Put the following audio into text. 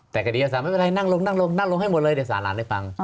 แต่คดีอาสาปน์นั่งลงให้หมดเลยนั่งลงให้หมดเลยแต่ศาลอ่านได้ฟัง